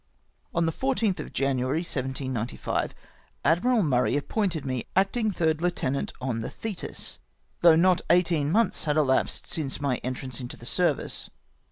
On the 14th of January 1795, Admiral Murray appointed me acting third heutenant of the Thetis, though not eighteen months had elapsed since my entrance into the service.